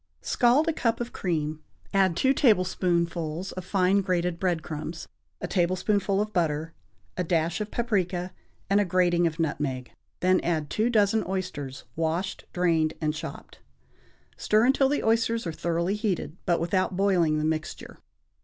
= Scald a cup of cream, add two tablespoonfuls of fine grated bread crumbs, a tablespoonful of butter, a dash of paprica and a grating of nutmeg; then add two dozen oysters, washed, drained and chopped. Stir until the oysters are thoroughly heated, but without boiling the mixture.